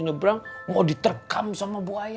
nyebrang mau diterkam sama buaya